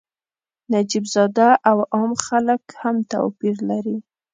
نجیب زاده او عام خلک هم توپیر لري.